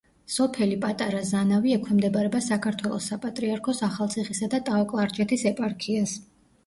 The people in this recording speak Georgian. სოფელი პატარა ზანავი ექვემდებარება საქართველოს საპატრიარქოს ახალციხისა და ტაო-კლარჯეთის ეპარქიას.